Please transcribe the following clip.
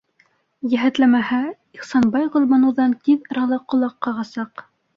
Йәһәтләмәһә, Ихсанбай Гөлбаныуҙан тиҙ арала ҡолаҡ ҡағасаҡ.